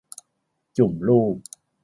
จุ่มลูก